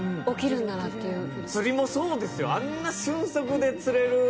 釣りもそうですよ。